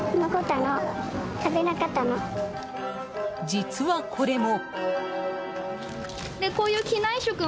実は、これも。